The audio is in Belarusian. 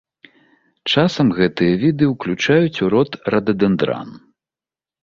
Часам гэтыя віды ўключаюць у род рададэндран.